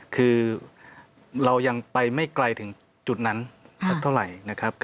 คือเรายังไปไม่ไกลถึงจุดนั้นสักเท่าไหร่นะครับ